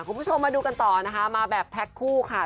คุณผู้ชมมาดูกันต่อนะคะมาแบบแพ็คคู่ค่ะ